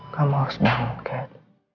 kamu harus bangun kat